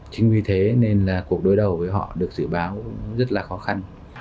chính vì thế nên là cuộc đối đầu với họ được dự báo rất là khó khăn